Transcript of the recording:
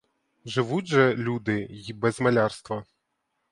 Живуть же люди й без малярства.